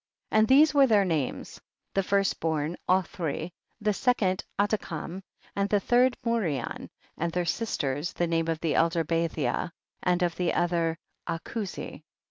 51. And these were their names, the first born Othri, the second Adi kam and the third Morion, and their sisters, the name of the elder Bathia and of the other Acuzi.